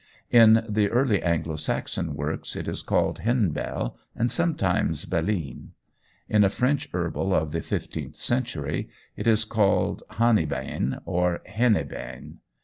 In the early Anglo Saxon works it is called henbell and sometimes belene. In a French herbal of the fifteenth century it is called hanibane or hanebane.